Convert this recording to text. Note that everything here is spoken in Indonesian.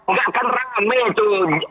nggak akan rame itu